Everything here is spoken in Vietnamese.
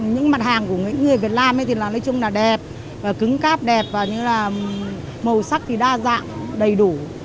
những mặt hàng của người việt nam thì nói chung là đẹp cứng cáp đẹp và màu sắc thì đa dạng đầy đủ